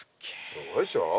すごいでしょ。